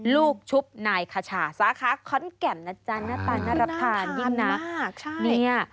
ลูกชุบนายคชาสาขาขอนแก่นนะจ๊ะหน้าตาน่ารับทานยิ่งนักเนี่ย